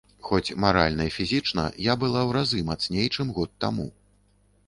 Хоць маральна і фізічна я была ў разы мацней, чым год таму.